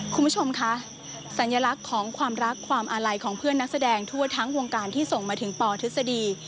คุณผู้ชมคะสัญลักษณ์ของความรักความอาลัยของเพื่อนนักแสดงทั่วทั้งวงการที่ส่งมาถึงปทฤษฎี